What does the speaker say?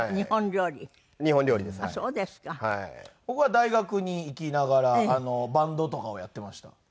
僕は大学に行きながらバンドとかをやってました。